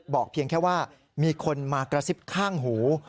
เพียงแค่ว่ามีคนมากระซิบข้างหู